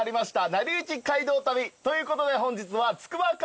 『なりゆき街道旅』ということで本日は。